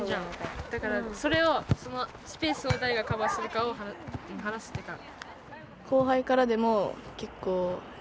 だからそれをそのスペースを誰がカバーするかを話すっていうか。